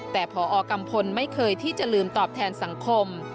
แต่พอกัมพลไม่เคยที่จะลืมตอบแทนสังคม